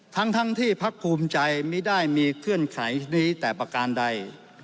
ทั้งที่พักภูมิใจไม่ได้มีเงื่อนไขนี้แต่ประการใด